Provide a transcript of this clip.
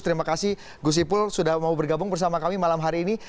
terima kasih gus ipul sudah mau bergabung bersama kami malam hari ini